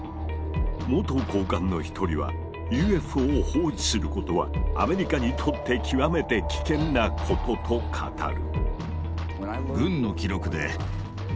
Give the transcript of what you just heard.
元高官の一人は「ＵＦＯを放置することはアメリカにとって極めて危険なこと」と語る。